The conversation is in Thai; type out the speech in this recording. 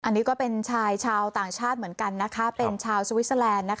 อันนี้ก็เป็นชายชาวต่างชาติเหมือนกันนะคะเป็นชาวสวิสเตอร์แลนด์